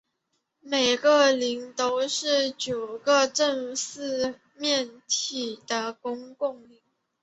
每个棱都是九个正四面体的公共棱。